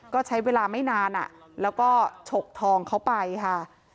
ก็ใช้เวลาไม่นานแล้วก็ฉกทองเขาไปค่ะ